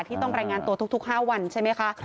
ต้องรายงานตัวทุก๕วันใช่ไหมคะ